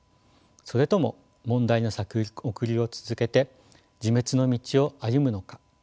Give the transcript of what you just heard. それとも問題の先送りを続けて自滅の道を歩むのか。